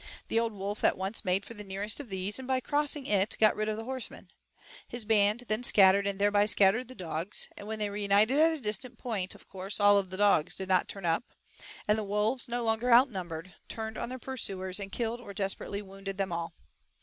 The old wolf at once made for the nearest of these and by crossing it got rid of the horseman. His band then scattered and thereby scattered the dogs, and when they reunited at a distant point of course all of the dogs did not turn up, and the wolves, no longer outnumbered, turned on their pursuers and killed or desperately wounded them all.